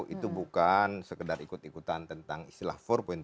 itu bukan sekedar ikut ikutan tentang istilah empat